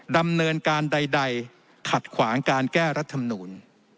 ดำเนินการใดขัดขวางการแก้รัฐมนูล